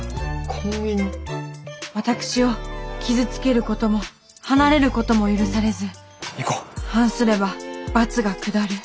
私を傷つけることも離れることも許されず反すれば罰が下る。